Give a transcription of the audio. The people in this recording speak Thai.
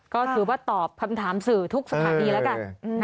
ก็ถือว่าตอบคำถามสื่อทุกสถานีแล้วกัน